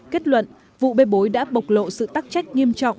kết luận vụ bê bối đã bộc lộ sự tắc trách nghiêm trọng